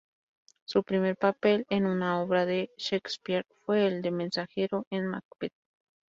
Su primer papel en una obra de Shakespeare fue el de mensajero en "Macbeth".